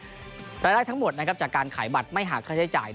รายละเอียดทั้งหมดจากการขายบัตรไม่หากค่าใช้จ่าย